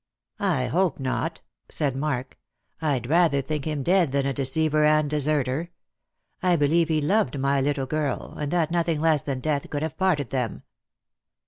" I hope not," said Mark. " I'd rather think him dead than a deceiver and deserter. I believe he loved my little girl, and that nothing less than death could have parted them."